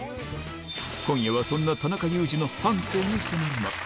今夜はそんな田中裕二の半生に迫ります。